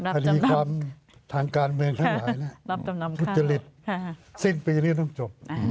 คดีความทางการเมืองทั้งหลายทุจริตสิ้นปีนี้ต้องจบ